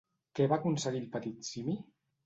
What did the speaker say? Què va aconseguir el petit simi?